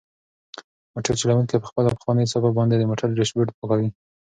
موټر چلونکی په خپله پخوانۍ صافه باندې د موټر ډشبورډ پاکوي.